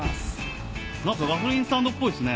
何かガソリンスタンドっぽいっすね。